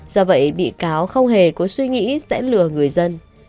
do vậy bị cáo không hề có suy nghĩ sẽ lừa người dân